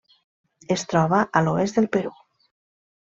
Es troba a l'oest del Perú.